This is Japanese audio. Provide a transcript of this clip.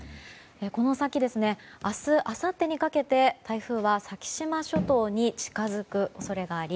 この先明日、あさってにかけて台風は先島諸島に近づく恐れがあり